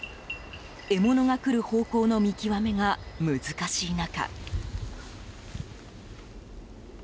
獲物が来る方向の見極めが難しい中。